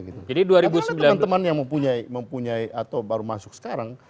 karena teman teman yang mempunyai atau baru masuk sekarang